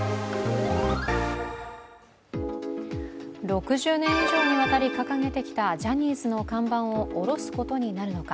６０年以上にわたり掲げてきたジャニーズの看板を下ろすことになるのか。